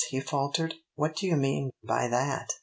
he faltered. "What do you mean by that?"